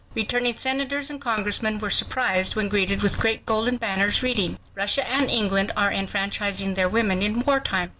Returning senators and congressmen were surprised when greeted with great golden banners reading: RUSSIA AND ENGLAND ARE ENFRANCHISING THEIR WOMEN IN WAR TIME.